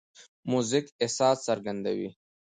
موزیک احساس څرګندوي.